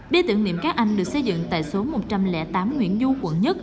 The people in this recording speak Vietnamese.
bia tưởng niệm các anh được xây dựng tại số một trăm linh tám nguyễn du quận một